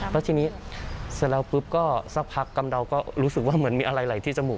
แล้วทีนี้เสร็จแล้วปุ๊บก็สักพักกำเดาก็รู้สึกว่าเหมือนมีอะไรไหลที่จมูก